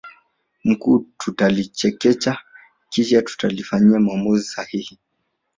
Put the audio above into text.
mkuu tutalichekecha kisha tutalifanyia maamuzi sahihi